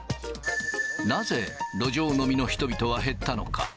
なぜ、路上飲みの人々は減ったのか。